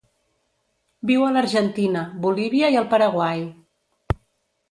Viu a l'Argentina, Bolívia i el Paraguai.